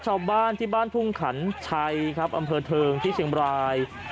ชาวบ้านที่บ้านทุ่งขันชัยครับอำเภอเทิงที่เชียงบราย